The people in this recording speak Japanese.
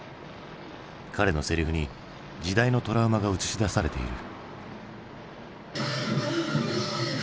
彼のセリフに時代のトラウマが映し出されている。